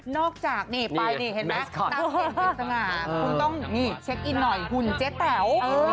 นอกจากนี่ไปนี่เห็นไหมตั้งเป็นเวสนาคุณต้องเช็คไอ้หน่อยหุ่นเจ๊แต๋ว